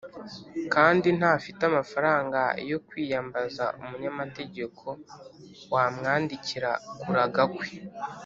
kandi ntafite amafaranga yo kwiyambaza umunyamategeko wamwandikira kuraga kwe.